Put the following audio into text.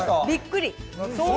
びっくり。